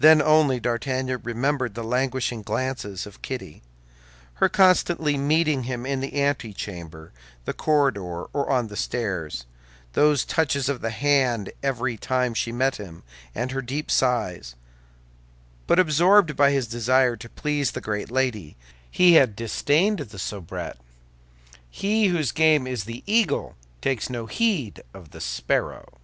Then only D'Artagnan remembered the languishing glances of Kitty, her constantly meeting him in the antechamber, the corridor, or on the stairs, those touches of the hand every time she met him, and her deep sighs; but absorbed by his desire to please the great lady, he had disdained the soubrette. He whose game is the eagle takes no heed of the sparrow.